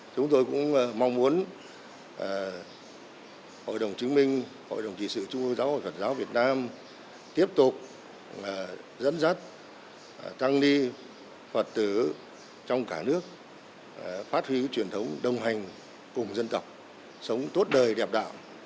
chúng tôi cũng mong muốn hội đồng chứng minh hội đồng trị sự trung ương giáo hội phật giáo việt nam tiếp tục dẫn dắt tăng ni phật tử trong cả nước phát huy truyền thống đồng hành cùng dân tộc sống tốt đời đẹp đạo